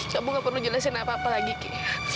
kamu gak perlu jelasin apa apa lagi ki